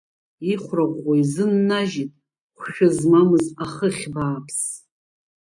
Ихәраӷәӷәа изыннажьит хәшәы змамз ахыхь бааԥс.